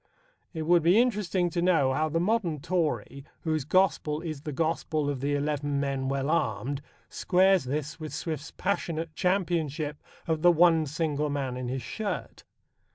It would be interesting to know how the modern Tory, whose gospel is the gospel of the eleven men well armed, squares this with Swift's passionate championship of the "one single man in his shirt."